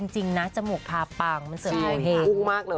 จริงนะจมูกพาปังมันเสริมมากเลย